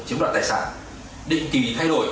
chiếm đoạn tài sản định kỳ thay đổi